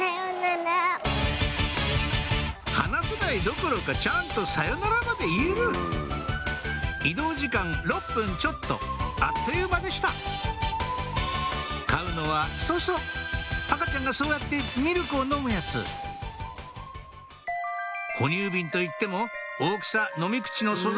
話せないどころかちゃんと「さようなら」まで言える移動時間６分ちょっとあっという間でした買うのはそうそう赤ちゃんがそうやってミルクを飲むやつ哺乳瓶といっても大きさ飲み口の素材